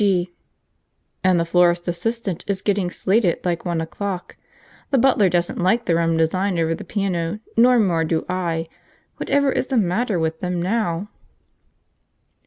B.G. "And the florist's assistant is getting slated like one o'clock! The butler doesn't like the rum design over the piano; no more do I. Whatever is the matter with them now?"